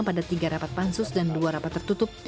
pada tiga rapat pansus dan dua rapat tertutup